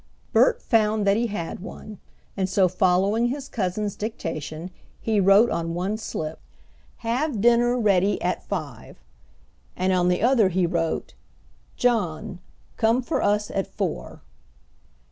Bert found that he had one, and so following his cousin's dictation he wrote on one slip: "Have dinner ready at five." And on the other he wrote: "John, come for us at four."